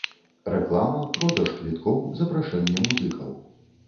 Рэклама, продаж квіткоў, запрашэнне музыкаў.